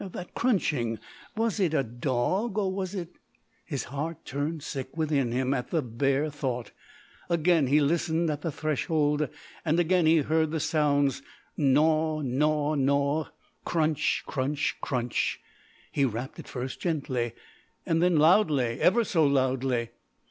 That crunching, was it a dog or was it ? His heart turned sick within him at the bare thought. Again he listened at the threshold, and again he heard the sounds gnaw, gnaw, gnaw crunch, crunch, crunch! He rapped at first gently, and then loudly, ever so loudly.